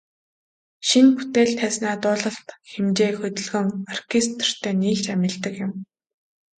Шинэ бүтээл тайзнаа дуулалт, хэмжээ, хөдөлгөөн, оркестертэй нийлж амилдаг юм.